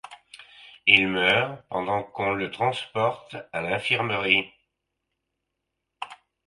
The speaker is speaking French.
Il meurt pendant qu’on le transporte à l’infirmerie.